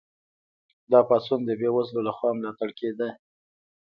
دا پاڅون د بې وزلو لخوا ملاتړ کیده.